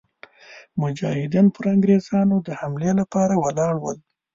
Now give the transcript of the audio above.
مجاهدین پر انګرېزانو د حملې لپاره ولاړل.